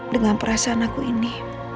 dengan perasaan aku ini